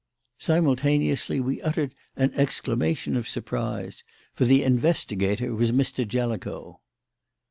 Simultaneously we uttered an exclamation of surprise; for the investigator was Mr. Jellicoe.